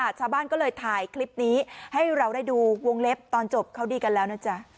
ชาวบ้านก็เลยถ่ายคลิปนี้ให้เราได้ดูวงเล็บตอนจบเขาดีกันแล้วนะจ๊ะ